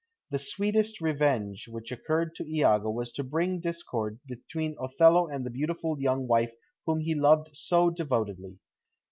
The sweetest revenge which occurred to Iago was to bring discord between Othello and the beautiful young wife whom he loved so devotedly.